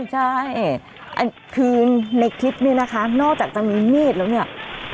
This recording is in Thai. ใช่คือในคลิปนี้นะคะนอกจากจะมีมีดแล้วเนี่ย